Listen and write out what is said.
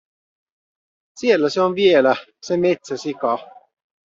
Siellä se on vielä, se metsäsika.